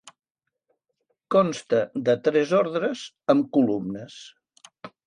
Consta de tres ordres amb columnes.